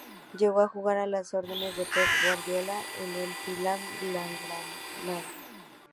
Llegó a jugar a las órdenes de Pep Guardiola en el filial blaugrana.